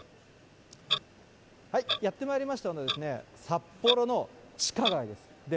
やってまいりましたのはですね、札幌の地下街です。